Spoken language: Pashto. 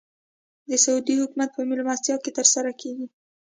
د سعودي حکومت په مېلمستیا تر سره کېږي.